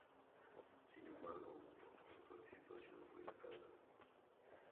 Sin embargo, su participación fue escasa.